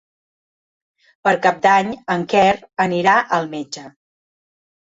Per Cap d'Any en Quer anirà al metge.